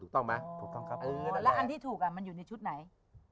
ตัวที่ถูกมันอยู่ในชุดไหน